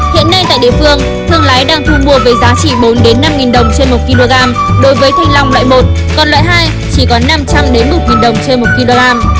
hiện nay tại địa phương thương lái đang thu mua với giá chỉ bốn năm đồng trên một kg đối với thanh long loại một còn loại hai chỉ còn năm trăm linh một đồng trên một kg